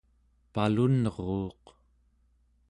palunruuq